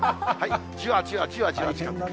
じわじわじわじわ、近くに。